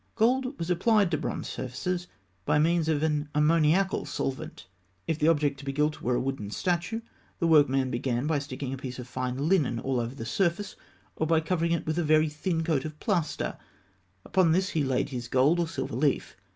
Gold was applied to bronze surfaces by means of an ammoniacal solvent. If the object to be gilt were a wooden statuette, the workman began by sticking a piece of fine linen all over the surface, or by covering it with a very thin coat of plaster; upon this he laid his gold or silver leaf.